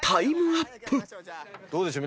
どうでしょう？